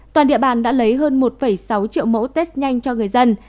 toàn địa bàn đã lấy hơn một sáu triệu mẫu test nhanh cho người dân